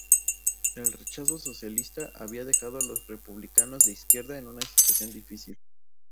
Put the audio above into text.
El rechazo socialista había dejado a los republicanos de izquierda en una situación difícil.